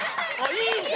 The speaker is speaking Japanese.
いいね